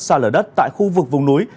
xa lở đất tại khu vực vùng núi